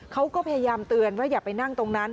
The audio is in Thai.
เขาก็พยายามเตือนว่าอย่าไปนั่งตรงนั้น